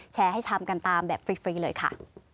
ให้ชำกันตามแบบฟรีเลยค่ะ